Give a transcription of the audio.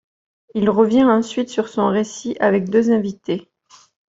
Il revient ensuite sur son récit avec deux invités.